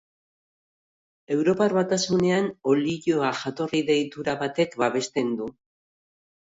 Europar Batasunean olioa jatorri deitura batek babesten du.